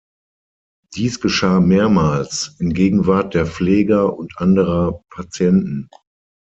Dies geschah mehrmals, in Gegenwart der Pfleger und anderer Patienten.